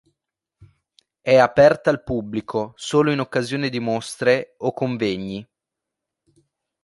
È aperta al pubblico solo in occasione di mostre o convegni.